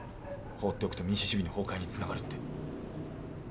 放っておくと民主主義の崩壊につながるって。